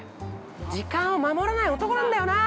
時間を守らない男なんだよな。